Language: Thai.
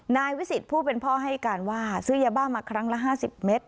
นายวิสิทธิ์ผู้เป็นพ่อให้การว่าซื้อยาบ้ามาครั้งละ๕๐เมตร